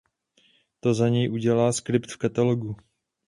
To za něj udělá skript v katalogu.